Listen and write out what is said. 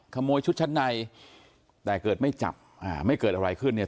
ขโมยชุดชั้นในแต่เกิดไม่จับอ่าไม่เกิดอะไรขึ้นเนี่ย